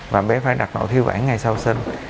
và bé phải đặt nội thiêu bản ngay sau sinh